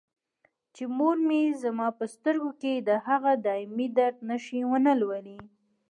چې مور مې زما په سترګو کې د هغه دایمي درد نښې ونه لولي.